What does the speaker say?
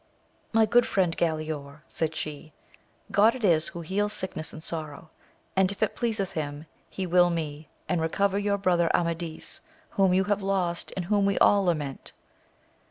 My good friend, Galaor, said she, God it is who heals sickness and sorrow, and if it pleaseth him he will me, and recover your brother Amadis, whom you have lost, and whom we all lament.